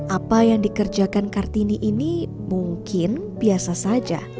apa yang dikerjakan kartini ini mungkin biasa saja